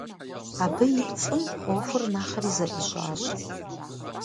Абы и пцӏым ӏуэхур нэхъри зэӏищӏащ.